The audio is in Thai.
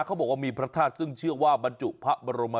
เขาบอกว่ามีพระธาตุซึ่งเชื่อว่าม